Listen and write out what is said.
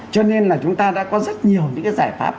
cho nên là chúng ta đã có rất nhiều những cái giải pháp